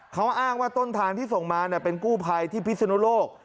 เขาอ้างว่าต้นทางที่ส่งมาเป็นกู้ภัยที่พิศนุโลก